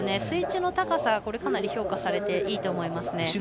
スイッチの高さはかなり評価されていいと思いますね。